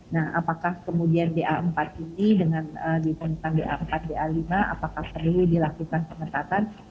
nah apakah kemudian ba empat ini dengan ditemukan ba empat ba lima apakah perlu dilakukan pengetatan